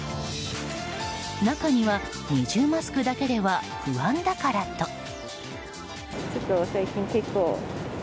中には二重マスクだけでは不安だからと。